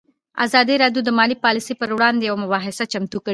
ازادي راډیو د مالي پالیسي پر وړاندې یوه مباحثه چمتو کړې.